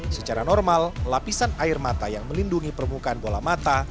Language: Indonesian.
secara normal lapisan air mata yang melindungi permukaan bola mata